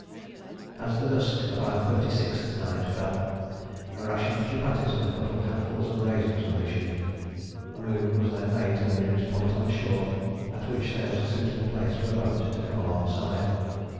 As the dusk of our thirty sixth night fell, a ration of chupatties and a couple of handfuls of raisins were issued. A move was then made to the nearest point on the shore at which there was a suitable place for a boat to come alongside.